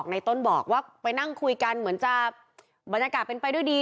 ในต้นบอกว่าไปนั่งคุยกันเหมือนจะบรรยากาศเป็นไปด้วยดี